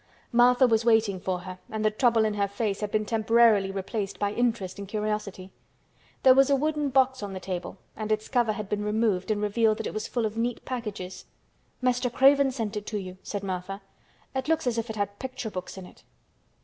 Martha was waiting for her and the trouble in her face had been temporarily replaced by interest and curiosity. There was a wooden box on the table and its cover had been removed and revealed that it was full of neat packages. "Mr. Craven sent it to you," said Martha. "It looks as if it had picture books in it."